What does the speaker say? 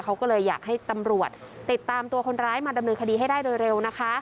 เขาก็เลยอยากให้ตำรวจติดตามตัวคนร้ายมาดำเนินคดีให้ได้โดยเร็วนะคะ